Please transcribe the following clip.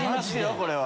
これは。